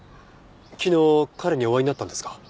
昨日彼にお会いになったんですか？